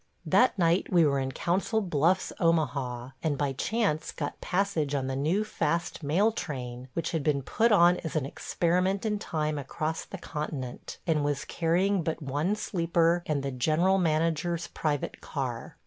... That night we were in Council Bluffs, Omaha, and by chance got passage on the new fast mail train, which had been put on as an experiment in time across the continent, and was carrying but one sleeper and the General Manager's private car.